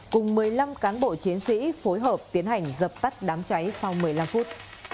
cùng một mươi năm cán bộ chiến sĩ phối hợp tiến hành dập tắt đám cháy sau một mươi năm phút